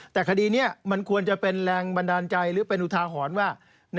แต่คดีนี้มันควรจะเป็นแรงบันดาลใจหรือเป็นอุทาหรณ์ว่า